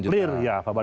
clear ya bapak